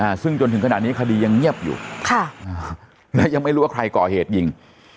ซึ่งจนถึงขณะนี้คดียังเงียบอยู่ค่ะอ่าและยังไม่รู้ว่าใครก่อเหตุยิง